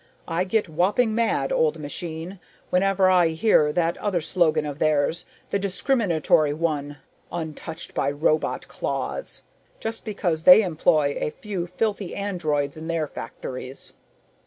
"I get whopping mad, Old Machine, whenever I hear that other slogan of theirs, the discriminatory one 'Untouched by Robot Claws.' Just because they employ a few filthy androids in their factories!"